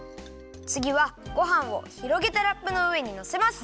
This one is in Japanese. つぎはごはんをひろげたラップのうえにのせます。